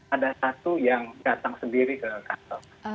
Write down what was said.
ada satu yang datang sendiri ke kantor